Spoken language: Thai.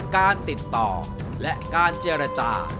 การติดต่อและการเจรจา